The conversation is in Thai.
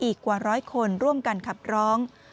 อีกกว่าร้อยคนร่วมกันขับร้อง